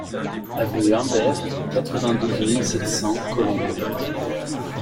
Avenue Humbert, quatre-vingt-douze mille sept cents Colombes